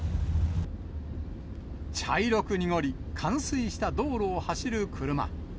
茶色く濁り、冠水した道路を走る車。